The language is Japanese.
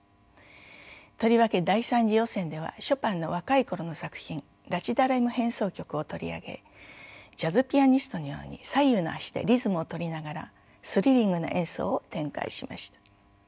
とりわけ第３次予選ではショパンの若い頃の作品「ラ・チ・ダレム変奏曲」を取り上げジャズピアニストのように左右の足でリズムを取りながらスリリングな演奏を展開しました。